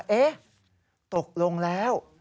เฮ้ตกลงแล้ว